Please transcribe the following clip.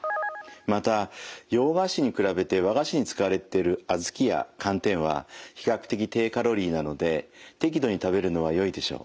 また洋菓子に比べて和菓子に使われてる小豆や寒天は比較的低カロリーなので適度に食べるのはよいでしょう。